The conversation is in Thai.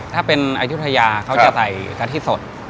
ถ้าเป็นอายุทยาเขาจะใส่กะทิสด